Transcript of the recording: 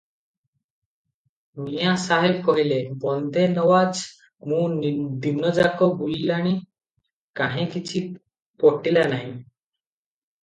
ମିଆଁ ସାହେବ କହିଲେ --"ବନ୍ଦେ ନୱାଜ, ମୁଁ ଦିନଯାକ ବୁଲିଲାଣି, କାହିଁ କିଛି ପଟିଲା ନାହିଁ ।